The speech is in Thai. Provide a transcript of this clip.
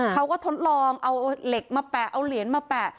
ทดลองเอาเหล็กมาแปะเอาเหรียญมาแปะ